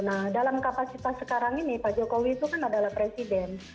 nah dalam kapasitas sekarang ini pak jokowi itu kan adalah presiden